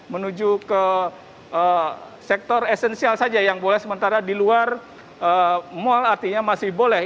menuju ke sektor esensial saja yang boleh sementara di luar mal artinya masih boleh